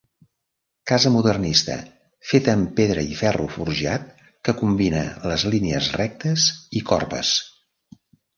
Casa modernista, feta amb pedra i ferro forjat que combina les línies rectes i corbes.